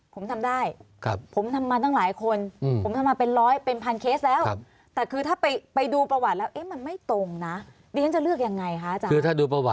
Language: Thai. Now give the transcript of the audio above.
สัมพันธ์คมฤทธิ์อย่างนี้นะ